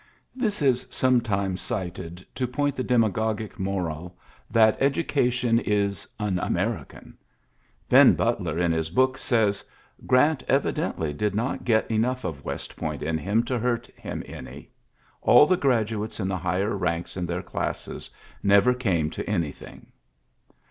This is sometimes cited to point the demagogic moral that education is "un American.'' Ben Butler in his book says: "Grant evidently did not get enough of West Point in him to hurt him any. •.• All the graduates in the higher ranks in their classes never came to anything."